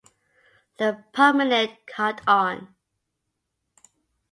The Promenade caught on.